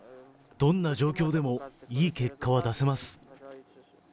どんな状況でもいい結果は出せます。